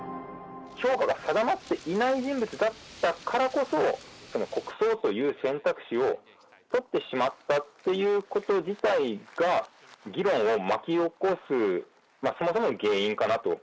評価が定まっていない人物だったからこそ、この国葬という選択肢を取ってしまったっていうこと自体が議論を巻き起こす、そもそもの原因かなと。